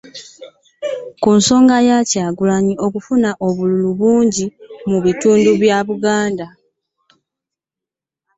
Ku nsonga ya Kyagulanyi okufuna obululu obungi mu bitundu bya Buganda